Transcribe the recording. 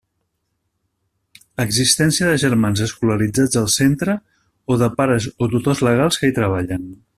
Existència de germans escolaritzats al centre o de pares o tutors legals que hi treballen.